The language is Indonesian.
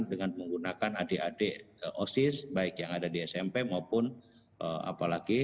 dengan menggunakan adik adik osis baik yang ada di smp maupun apalagi